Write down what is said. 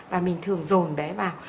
và mình thường dồn bé vào